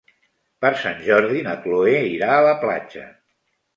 Per Sant Jordi na Chloé irà a la platja.